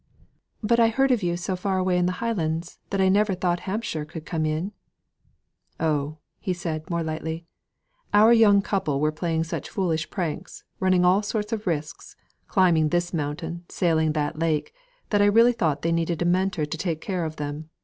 "But I heard of you so far away in the Highlands that I never thought Hampshire could come in." "Oh!" said he, more lightly, "our young couple were playing such foolish pranks, running all sorts of risks, climbing this mountain, sailing on that lake, that I really thought they needed a Mentor to take care of them.